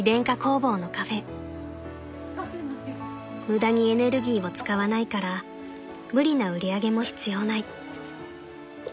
［無駄にエネルギーを使わないから無理な売り上げも必要ない］